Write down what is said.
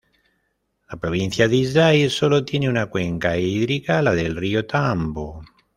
La provincia de Islay solo tiene una cuenca hídrica: la del río Tambo.